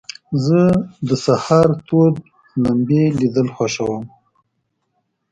زه د سهار تود لمبې لیدل خوښوم.